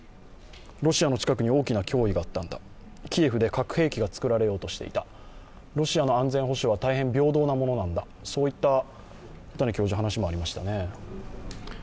ロシアの近くに大きな脅威があったんだ、キエフで核兵器が作られようとしていた、ロシアの安全保障は大変平等なものなんだという話もありましたね。